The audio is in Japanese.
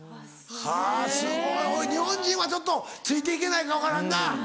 はぁすごい日本人はちょっとついて行けないか分からんな。